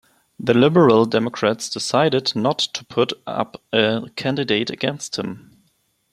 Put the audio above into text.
The Liberal Democrats decided not to put up a candidate against him.